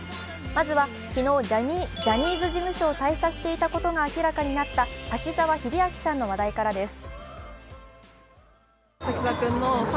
まずは昨日ジャニーズ事務所を退社していたこと分かった滝沢秀明さんの話題からです。